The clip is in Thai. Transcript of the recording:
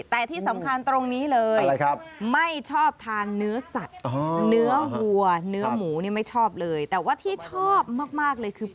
แต่ที่สำคัญตรงนี้เลยไม่ชอบทานเนื้อสัตว์เนื้อวัวเนื้อหมูนี่ไม่ชอบเลยแต่ว่าที่ชอบมากเลยคือ